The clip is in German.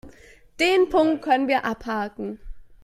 Den Punkt können wir abhaken.